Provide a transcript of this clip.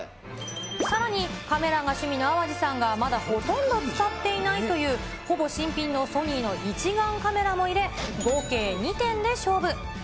さらに、カメラが趣味の淡路さんがまだほとんど使っていないという、ほぼ新品のソニーの一眼カメラも入れ、合計２点で勝負。